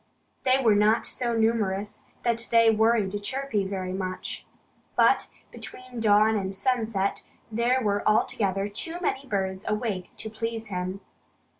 They were not so numerous that they worried Chirpy very much. But between dawn and sunset there were altogether too many birds awake to please him.